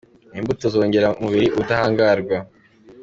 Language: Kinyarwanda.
Imbuto zongerera umubiri ubudahangarwa.